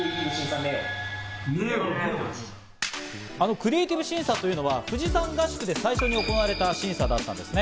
クリエイティブ審査というのは富士山合宿で最初に行われた審査だったんですね。